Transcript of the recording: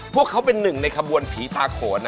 พวกเขาเป็นหนึ่งในขบวนผีตาโขน